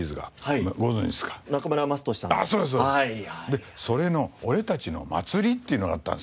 でそれの『俺たちの祭』っていうのがあったんですよ。